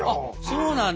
そうなんだ。